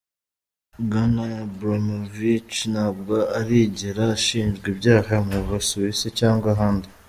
Bwana Abramovich ntabwo arigera ashinjwa ibyaha mu Busuwisi cyangwa ahandi.